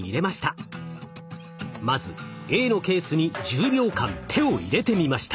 まずＡのケースに１０秒間手を入れてみました。